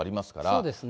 そうですね。